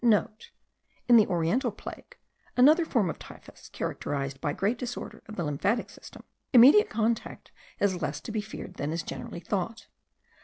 (* In the oriental plague (another form of typhus characterised by great disorder of the lymphatic system) immediate contact is less to be feared than is generally thought.